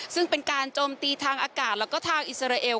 ซึ่งเป็นการโจมตีทางอากาศแล้วก็ทางอิสราเอล